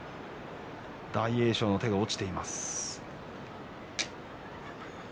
大栄翔の手が落ちています。